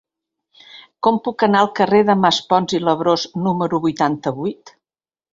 Com puc anar al carrer de Maspons i Labrós número vuitanta-vuit?